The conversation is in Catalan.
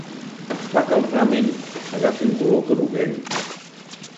Fa que el ramen agafi un color groguenc.